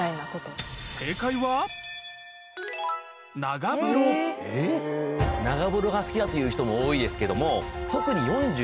長風呂が好きだという人も多いですけども特に。